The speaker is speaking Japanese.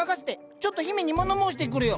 ちょっと姫にもの申してくるよ。